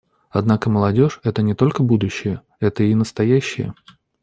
Однако молодежь — это не только будущее, это — и настоящее.